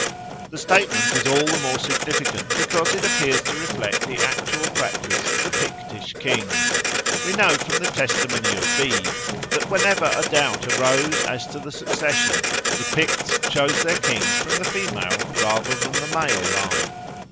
The statement is all the more significant because it appears to reflect the actual practice of the Pictish kings. We know from the testimony of Bede that, whenever a doubt arose as to the succession, the Picts chose their kings from the female rather than the male line.